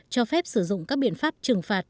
cho phép sử dụng các biện pháp trừng phạt